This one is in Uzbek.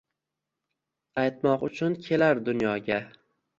Aytmoq uchun kelar dunyoga.